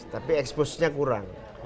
tapi eksposnya kurang